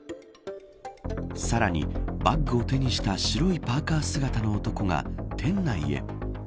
さらに、バッグを手にした白いパーカ姿の男が店内へ。